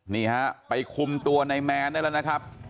นี่ฮะไปคุมตัวในแมนได้แล้วนะครับ